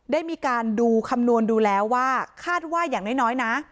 ได้มีการดูคำนวณดูแล้วว่าคาดว่าอย่างน้อยนะ